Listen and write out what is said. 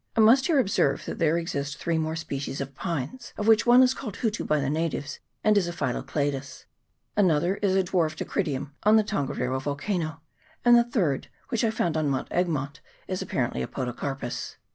I must here observe that there exist three more species of pines, of which one is called hutu by the natives, and is a Phyllocladus ; another is a dwarf Dacrydium, on the Ton gariro volcano; and the third, which I found on Mount Egmont, is apparently a Podocarpus.